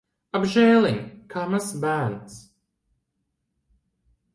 Apžēliņ! Kā mazs bērns.